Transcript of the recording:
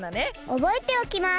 おぼえておきます。